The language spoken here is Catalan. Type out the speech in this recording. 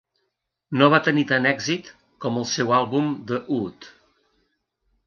No va tenir tant èxit com el seu àlbum de ut.